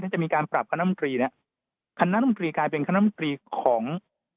จะมีการปรับคณะมนตรีเนี่ยคณะมนตรีกลายเป็นคณะมนตรีของ